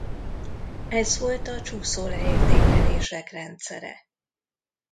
Ez volt a csúszó leértékelések rendszere.